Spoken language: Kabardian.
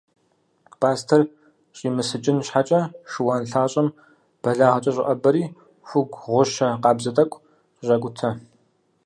Пӏастэр щӏимысыкӏын щхьэкӏэ, шыуан лъащӏэм бэлагъкӏэ щӏоӏэбэри, хугу гъущэ къабзэ тӏэкӏу кӏэщӏакӏутэ.